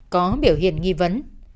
có biểu hiện nghi vấn